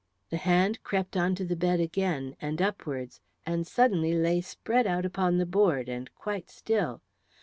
] The hand crept onto the bed again and upwards, and suddenly lay spread out upon the board and quite still.